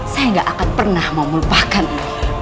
saya gak akan pernah mau melupakanmu